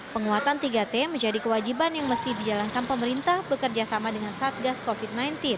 penguatan tiga t menjadi kewajiban yang mesti dijalankan pemerintah bekerja sama dengan satgas covid sembilan belas